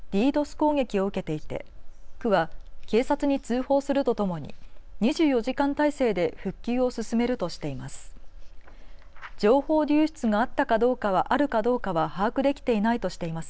攻撃を受けていて区は警察に通報するとともに２４時間体制で復旧を進めるとしています。